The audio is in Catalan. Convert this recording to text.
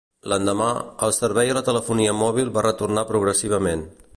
L'endemà, el servei a la telefonia mòbil va retornar progressivament.